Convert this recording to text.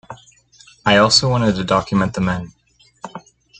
I also wanted to document the men.